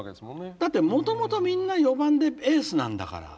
だってもともとみんな４番でエースなんだから。